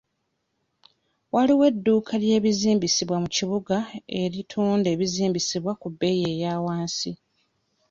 Waliwo edduuka ly'ebizimbisibwa mu kibuga eritunda ebizimbisibwa ku bbeeyi eyawansi.